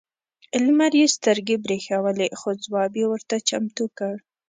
لمر یې سترګې برېښولې خو ځواب یې ورته چمتو کړ.